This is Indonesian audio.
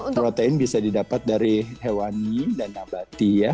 protein bisa didapat dari hewani dan nabati ya